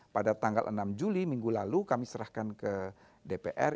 pada tanggal enam juli minggu lalu kami serahkan ke dpr